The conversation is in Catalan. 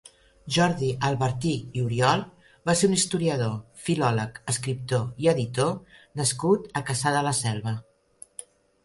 Jordi Albertí i Oriol va ser un historiador, filòleg, escriptor i editor nascut a Cassà de la Selva.